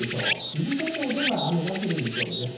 伊豆諸島では雨が降る見込みです。